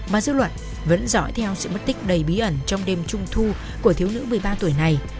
mà dư luận vẫn dõi theo sự mất tích đầy bí ẩn trong đêm trung thu của thiếu nữ một mươi ba tuổi này